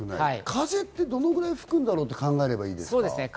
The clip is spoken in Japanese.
風ってどのぐらい吹くんだろうと考えればいいですか？